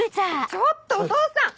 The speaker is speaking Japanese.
ちょっとお父さん！